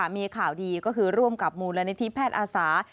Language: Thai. มีข่าวดีก็คือร่วมกับมูลนิธิแพทย์อาสา